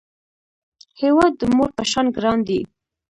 هیواد د مور په شان ګران دی